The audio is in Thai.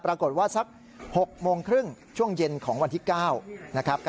สัก๖โมงครึ่งช่วงเย็นของวันที่๙นะครับ